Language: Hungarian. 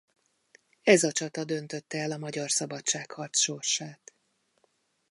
Ez a csata döntötte el a magyar szabadságharc sorsát.